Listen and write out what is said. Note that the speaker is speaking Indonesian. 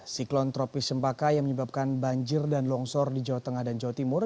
siklon tropis cempaka yang menyebabkan banjir dan longsor di jawa tengah dan jawa timur